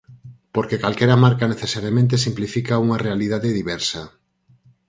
Porque calquera marca necesariamente simplifica unha realidade diversa.